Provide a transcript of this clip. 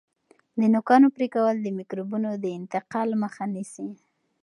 د نوکانو پرې کول د میکروبونو د انتقال مخه نیسي.